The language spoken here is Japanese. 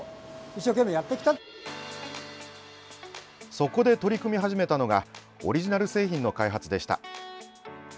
そこで取り組み始めたのがオリジナル製品の開発でした。